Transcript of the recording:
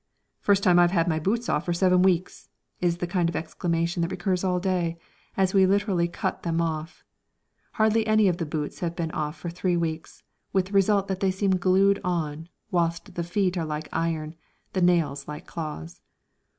"First time I've had my boots off for seven weeks!" is the kind of exclamation that recurs all day, as we literally cut them off. Hardly any of the boots have been off for three weeks, with the result that they seem glued on, whilst the feet are like iron, the nails like claws.